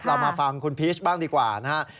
เรามาฟังคุณพีชบ้างดีกว่านะฮะ